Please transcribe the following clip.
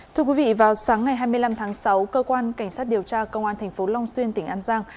thưa quý vị vào sáng ngày hai mươi năm tháng sáu cơ quan cảnh sát điều tra công an thành phố long xuyên tỉnh an giang